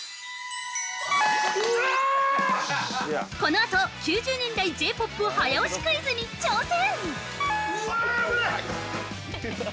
◆このあと、９０年代Ｊ−ポップ早押しクイズに挑戦。